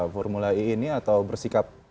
formula e ini atau bersikap